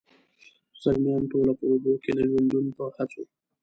زلمیان ټوله په اوبو کي د ژوندون په هڅو،